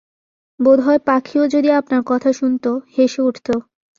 বোধ হয় পাখিও যদি আপনার কথা শুনত, হেসে উঠত।